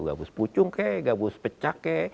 gabus pucung ya gabus pecat ya